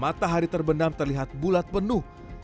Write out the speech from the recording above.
matahari terbenam terlihat bulat penuh